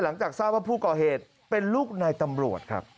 หลังจากทราบว่าผู้ก่อเหตุเป็นลูกนายตำรวจครับ